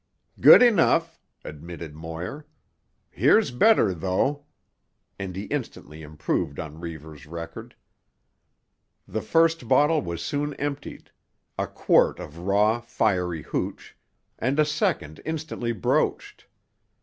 "Good enough," admitted Moir. "Here's better, though." And he instantly improved on Reivers' record. The first bottle was soon emptied—a quart of raw, fiery hooch—and a second instantly broached.